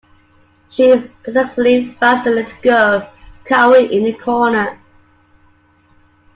She successfully finds the little girl cowering in a corner.